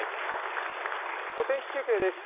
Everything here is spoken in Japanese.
お天気中継です。